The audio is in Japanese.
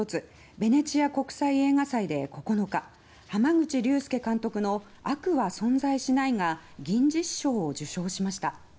ベネチア国際映画祭で９日濱口竜介監督の「悪は存在しない」が銀獅子賞を受賞しました。